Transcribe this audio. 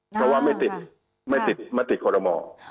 เพราะว่าไม่ติดไม่ติดมติคอรมอ